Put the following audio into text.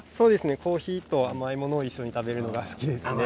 コーヒーと甘いものを一緒に食べるのが好きです。